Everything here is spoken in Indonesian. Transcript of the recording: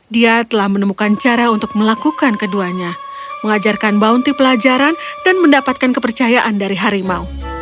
dia telah menemukan cara untuk melakukan keduanya mengajarkan bounty pelajaran dan mendapatkan kepercayaan dari harimau